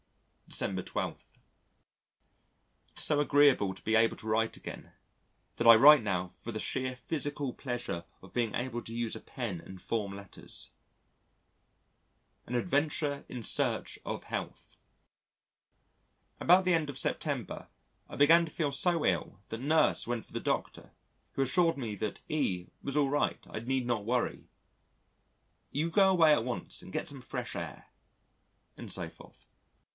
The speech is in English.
December 12. It is so agreeable to be able to write again that I write now for the sheer physical pleasure of being able to use a pen and form letters. An Adventure in Search of Health About the end of September, I began to feel so ill that Nurse went for the Doctor who assured me that E was all right I need not worry "You go away at once and get some fresh air," and so forth.